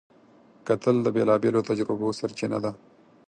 کتل د بېلابېلو تجربو سرچینه ده